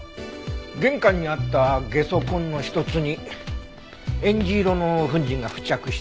玄関にあったゲソ痕の一つにえんじ色の粉塵が付着してたよ。